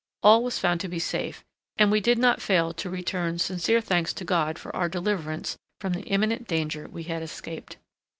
All was found to be safe, and we did not fail to return sincere thanks to God for our deliverance from the imminent danger we had escaped.